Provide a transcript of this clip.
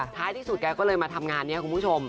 ท้ายที่สุดแกก็เลยมาทำงานนี้คุณผู้ชม